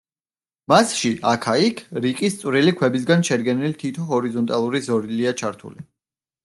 მასში, აქა-იქ, რიყის წვრილი ქვებისგან შედგენილი თითო ჰორიზონტალური ზოლია ჩართული.